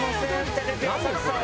テレビ朝日さん